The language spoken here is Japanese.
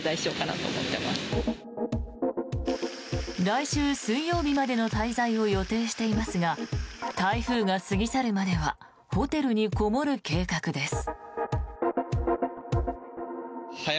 来週水曜日までの滞在を予定していますが台風が過ぎ去るまではホテルにこもる計画です。